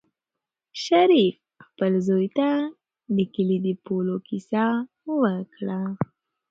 شریف خپل زوی ته د کلي د پولو کیسه وکړه.